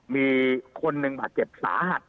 มีคนหนึ่งบาดเจ็บสาหัส